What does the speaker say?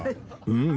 うん？